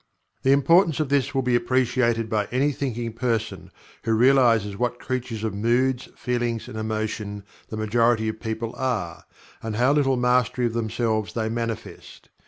The importance of this will be appreciated by any thinking person who realizes what creatures of moods, feelings and emotion the majority of people are, and how little mastery of themselves they manifest.